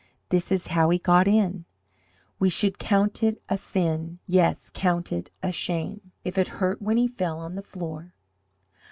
This is how he got in We should count it a sin Yes, count it a shame, If it hurt when he fell on the floor."